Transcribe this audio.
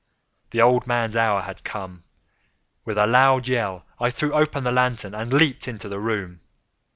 The old man's hour had come! With a loud yell, I threw open the lantern and leaped into the room.